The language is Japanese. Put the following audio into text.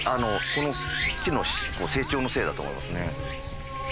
この木の成長のせいだと思いますね。